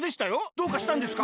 どうかしたんですか？